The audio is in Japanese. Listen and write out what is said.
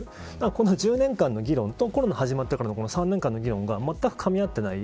この１０年間の議論とコロナ始まってからの３年間の議論が全くかみ合ってない。